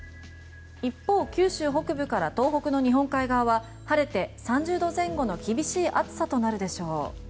一方、九州北部から東北の日本海側は晴れて、３０度前後の厳しい暑さとなるでしょう。